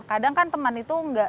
kadang kan teman itu nggak